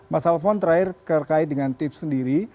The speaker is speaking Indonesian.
mas alphon terakhir terkait dengan tips sendiri